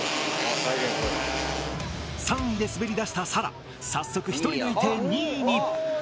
３位で滑りだしたさら早速１人抜いて２位に。